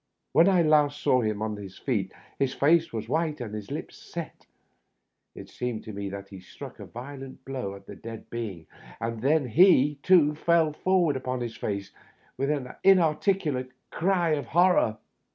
When I last saw him on his feet his face was white and his lips set. It seemed to me that he struck a violent blow at the dead being. Digitized by VjOOQIC TEE UPPER BERTH. 49 and then he, too, fell forward npon his face, with an inarticulate cry of horror.